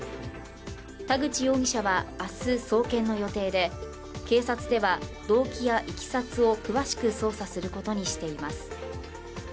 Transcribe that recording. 田口容疑者は明日、送検の予定で警察では動機やいきさつを詳しく捜査することにしています。